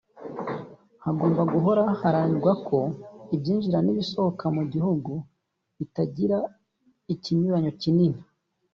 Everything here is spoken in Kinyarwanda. Hagomba guhora haharanirwa ko ibyinjira n’ibisohoka mu gihugu bitagira ikinyuranyo kinini